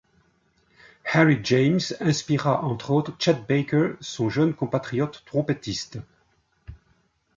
Harry James inspira entre autres Chet Baker, son jeune compatriote trompettiste.